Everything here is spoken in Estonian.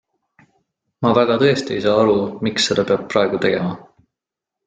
Ma väga tõesti ei saa aru, miks seda peab praegu tegema.